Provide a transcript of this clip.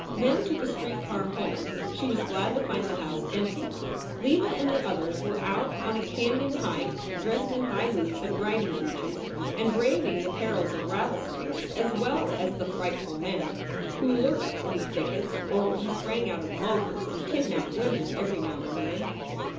Mem took a street car home. She was glad to find the house empty. Leva and the others were out on a canon hike, dressed in high boots and riding breeches, and braving the perils of rattlesnakes as well as the frightful men who SOULS FOR SALE 191 lurked in the thickets or who sprang out of motors and kidnaped women every now and then.